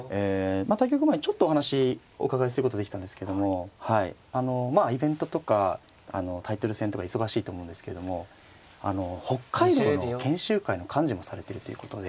対局前にちょっとお話お伺いすることできたんですけどもイベントとかタイトル戦とか忙しいと思うんですけれどもあの北海道の研修会の幹事もされているということで。